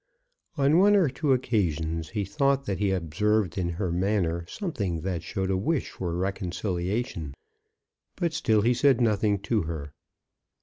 On one or two occasions he thought that he observed in her manner something that showed a wish for reconciliation; but still he said nothing to her.